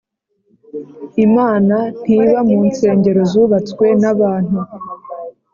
Imana ntiba mu nsengero zubatswe n abantu